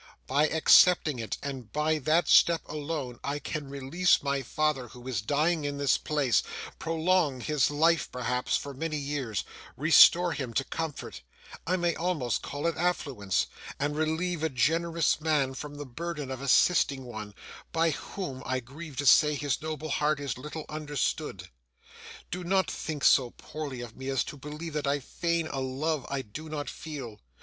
By accepting it, and by that step alone, I can release my father who is dying in this place; prolong his life, perhaps, for many years; restore him to comfort I may almost call it affluence; and relieve a generous man from the burden of assisting one, by whom, I grieve to say, his noble heart is little understood. Do not think so poorly of me as to believe that I feign a love I do not feel.